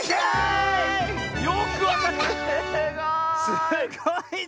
すごい！